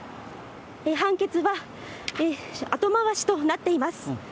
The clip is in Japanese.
判決は後回しとなっています。